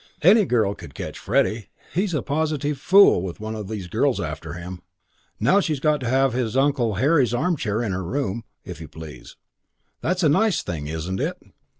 "Any girl could catch Freddie. He's a positive fool with one of these girls after him. Now she's got to have his uncle Henry's armchair in her room, if you please. That's a nice thing, isn't it?"